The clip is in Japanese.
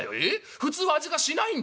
普通は味がしないんだ」。